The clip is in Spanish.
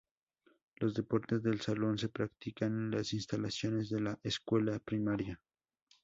Los deportes de salón se practican en las instalaciones de la escuela primaria.